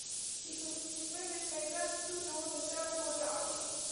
He befriended Francesc Pujols and Salvador Dalí.